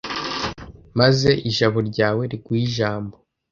Maze ijabo ryawe riguhe ijambo